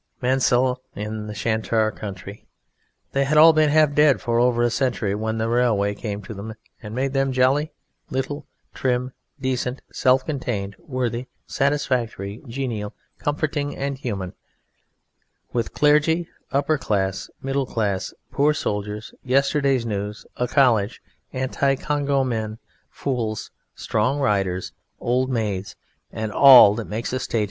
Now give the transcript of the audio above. Mansle in the Charente country they had all been half dead for over a century when the railway came to them and made them jolly, little, trim, decent, self contained, worthy, satisfactory, genial, comforting and human [Greek: politeiae], with clergy, upper class, middle class, poor, soldiers, yesterday's news, a college, anti Congo men, fools, strong riders, old maids, and all that makes a state.